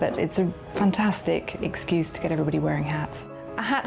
tapi ini adalah alasan yang luar biasa untuk membuat semua orang memakai hati